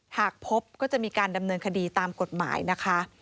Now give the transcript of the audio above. หากพบก็จะมีการดำเนินคดีตามกฎหมายนะคะ